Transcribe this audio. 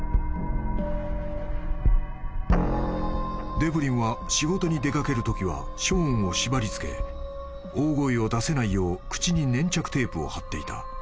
［デブリンは仕事に出掛けるときはショーンを縛り付け大声を出せないよう口に粘着テープを貼っていた］